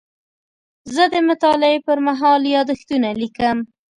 زه د مطالعې پر مهال یادښتونه لیکم.